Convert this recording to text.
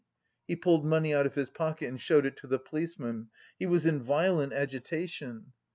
He pulled money out of his pocket and showed it to the policeman. He was in violent agitation.